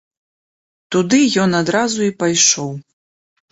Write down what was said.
Туды ён адразу і пайшоў.